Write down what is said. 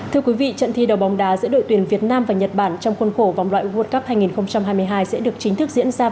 trận thi đầu bóng đá giữa đội tuyển việt nam và nhật bản trong khuôn khổ vòng loại world cup hai nghìn hai mươi hai